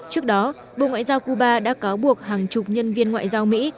trước đó bộ ngoại giao cuba đã cáo buộc hàng chục nhân viên ngoại giao mỹ